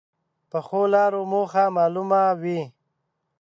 پخو لارو موخه معلومه وي